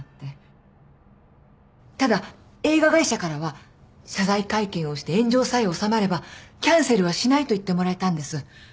ただ映画会社からは謝罪会見をして炎上さえ収まればキャンセルはしないと言ってもらえたんです。